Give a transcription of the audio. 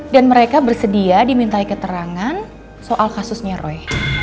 dan mereka bersedia dimintai keterangan soal kasusnya roy